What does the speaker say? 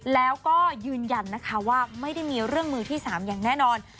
แล้วก็ยืนยันนะคะว่าไม่ได้มีเรื่องมือที่๓อย่างแน่นอน